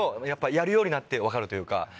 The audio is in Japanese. やるようになって分かるというか。